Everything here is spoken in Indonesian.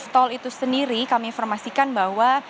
tol itu sendiri kami informasikan bahwa